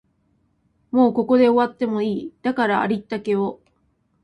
もうここで終わってもいい、だからありったけを